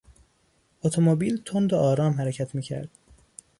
اتومبیل تند و آرام حرکت میکرد.